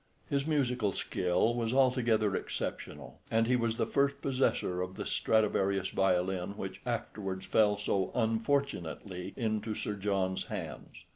His musical skill was altogether exceptional, and he was the first possessor of the Stradivarius violin which afterwards fell so unfortunately into Sir John's hands.